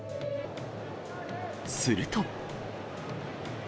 すると。